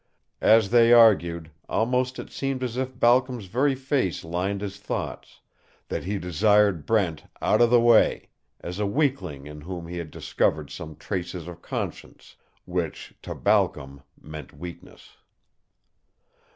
As they argued, almost it seemed as if Balcom's very face limned his thoughts that he desired Brent out of the way, as a weakling in whom he had discovered some traces of conscience which, to Balcom, meant weakness.